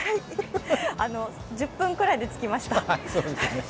１０分くらいでつきました。